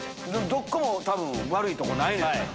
どっこも多分悪いとこないのよ。